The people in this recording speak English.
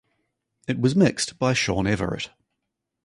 It was mixed by Shawn Everett.